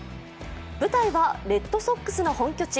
舞台はレッドソックスの本拠地